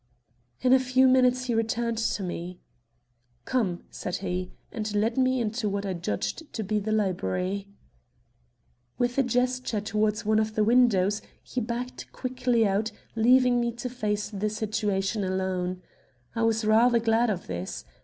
In a few minutes he returned to me. "Come," said he, and led me into what I judged to be the library. With a gesture toward one of the windows, he backed quickly out, leaving me to face the situation alone. I was rather glad of this.